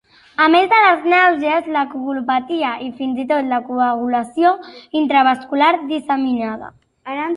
A més de les nàusees, la coagulopatia i, fins-i-tot la coagulació intravascular disseminada.